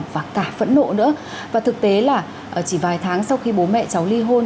và thực tế là chỉ vài tháng sau khi bố mẹ cháu ly hôn